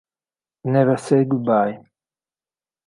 Never Say Goodbye